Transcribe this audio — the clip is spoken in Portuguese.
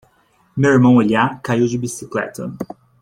Meu irmão Elijah caiu da sua bicicleta.